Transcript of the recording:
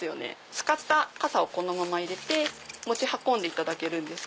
使った傘をこのまま入れて持ち運んでいただけるんです。